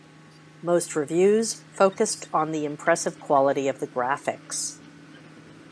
Most reviews focused on the impressive quality of the graphics.